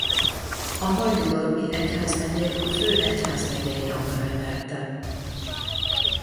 A Hajdúdorogi egyházmegyét főegyházmegyei rangra emelte.